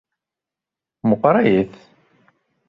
Meqqrit?